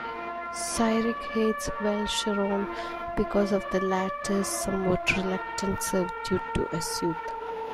Cyric hates Velsharoon because of the latter's somewhat reluctant servitude to Azuth.